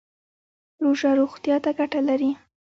روژه روغتیا ته ګټه لري